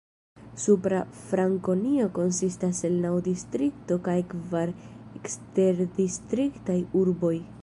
Supra Frankonio konsistas el naŭ distriktoj kaj kvar eksterdistriktaj urboj.